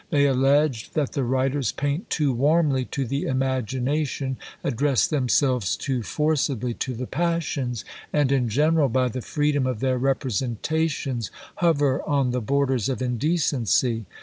They alleged that the writers paint too warmly to the imagination, address themselves too forcibly to the passions, and in general, by the freedom of their representations, hover on the borders of indecency.